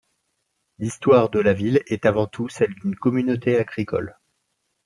L'histoire de la ville est avant tout celle d'une communauté agricole.